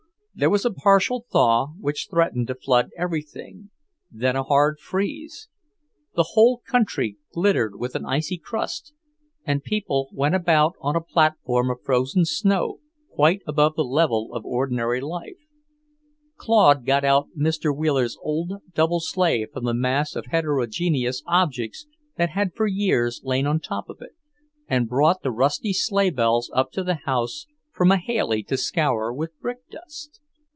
There was a partial thaw which threatened to flood everything, then a hard freeze. The whole country glittered with an icy crust, and people went about on a platform of frozen snow, quite above the level of ordinary life. Claude got out Mr. Wheeler's old double sleigh from the mass of heterogeneous objects that had for years lain on top of it, and brought the rusty sleighbells up to the house for Mahailey to scour with brick dust.